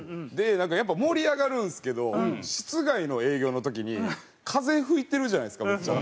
やっぱ盛り上がるんですけど室外の営業の時に風吹いてるじゃないですかめっちゃ。